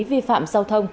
vi phạm giao thông